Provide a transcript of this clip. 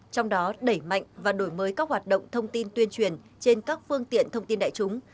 trong đó đẩy mạnh và đổi mới các hoạt động thông tin tuyên truyền trên các phương tiện thông tin đại chúng